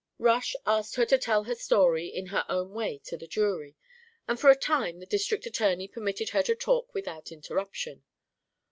Rush asked her to tell her story in her own way to the jury, and for a time the district attorney permitted her to talk without interruption.